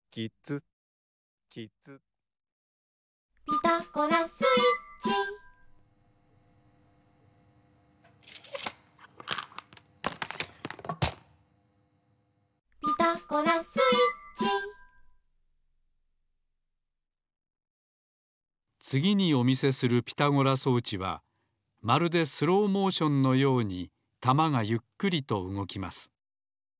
「ピタゴラスイッチ」「ピタゴラスイッチ」つぎにお見せするピタゴラ装置はまるでスローモーションのようにたまがゆっくりとうごきます。